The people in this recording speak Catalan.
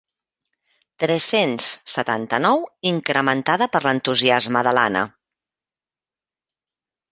Tres-cents setanta-nou incrementada per l'entusiasme de l'Anna.